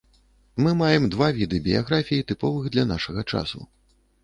Мы маем два віды біяграфій, тыповых для нашага часу.